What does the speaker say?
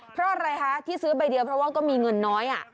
เพราะอะไรคะที่ซื้อใบเดียวเพราะว่าก็มีเงินน้อย